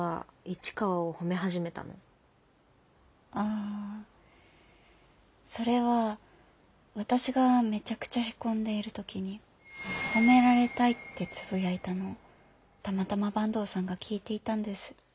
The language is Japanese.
ああそれは私がめちゃくちゃへこんでいる時に「褒められたい」ってつぶやいたのをたまたま坂東さんが聞いていたんです。